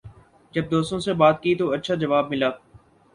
جب دوستوں سے بات کی تو اچھا جواب ملا